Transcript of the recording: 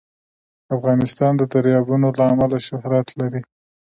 افغانستان د دریابونه له امله شهرت لري.